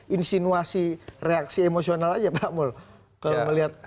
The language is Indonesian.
atau hanya insinuasi reaksi emosional saja pak muldo